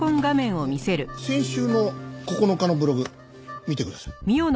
先週の９日のブログ見てください。